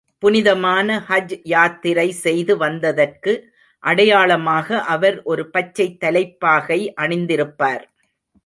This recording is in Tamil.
புனிதமான ஹஜ்யாத்திரை செய்து வந்ததற்கு அடையாளமாக அவர் ஒரு பச்சைத் தலைப்பாகை அணிந்திருப்பார்.